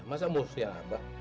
masa mau siap abah